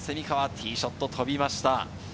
ティーショットが飛びました。